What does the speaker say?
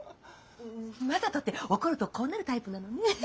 正門って怒るとこうなるタイプなのね。